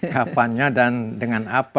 kapan dan dengan apa